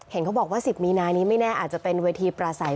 เขาบอกว่า๑๐มีนานี้ไม่แน่อาจจะเป็นเวทีปราศัย